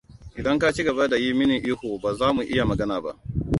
Idan ka ci gaba da yi mini ihu ba za mu iya magana ba.